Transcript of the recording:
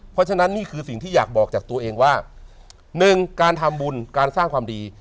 เพราะฉะนั้นนี่คือสิ่งที่อยากบอกจากตัวเองว่าหนึ่งการทำบุญการสร้างความดี